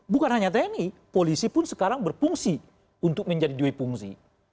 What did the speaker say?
bukan hanya tni polisi pun sekarang berfungsi untuk menjadi juifungsi